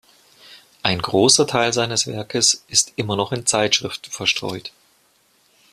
Ein großer Teil seines Werkes ist immer noch in Zeitschriften verstreut.